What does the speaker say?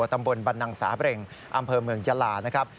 ตำบลบรรนังสาเบรงอำเภอเมืองยาลานะครับ